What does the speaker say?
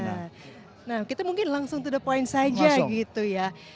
nah kita mungkin langsung to the point saja gitu ya